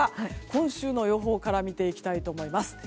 今週の予報から見ていきたいと思います。